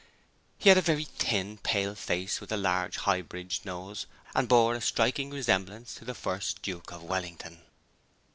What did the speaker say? He had a very thin, pale face with a large, high bridged nose, and bore a striking resemblance to the First Duke of Wellington.